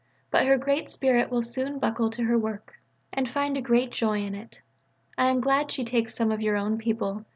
But her great spirit will soon buckle to her work: and find a joy in it. I am glad she takes some of your own people.